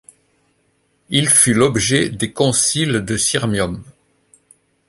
Il fut l'objet des Conciles de Sirmium.